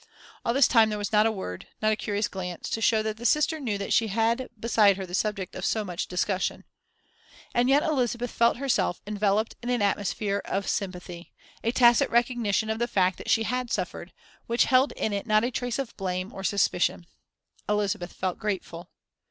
All this time there was not a word, not a curious glance, to show that the Sister knew that she had beside her the subject of so much discussion. And yet Elizabeth felt herself enveloped in an atmosphere of sympathy, a tacit recognition of the fact that she had suffered, which held in it not a trace of blame or suspicion. Elizabeth felt grateful.